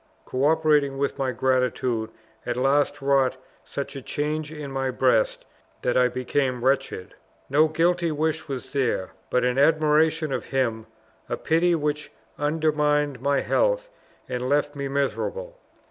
cooperating with my gratitude, at last wrought such a change in my breast that I became wretched. No guilty wish was there; but an admiration of him, a pity which undermined my health, and left me miserable!